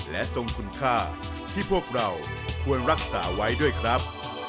และทรงคุณค่าที่พวกเราควรรักษาไว้ด้วยครับ